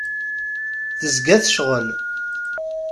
Tezga tecɣel.